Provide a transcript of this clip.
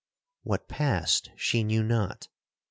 What passed she knew not.